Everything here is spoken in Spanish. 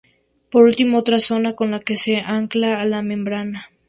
Por último, otra zona con la que se ancla a la membrana.